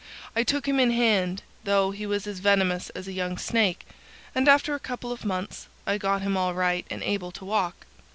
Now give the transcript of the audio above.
I took him in hand, though he was as venomous as a young snake, and after a couple of months I got him all right and able to walk.